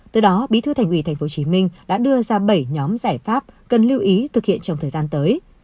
từ đó bí thư thành ủy tp hcm đã đưa ra bảy nhóm giải pháp cần lưu ý thực hiện trong thời gian tới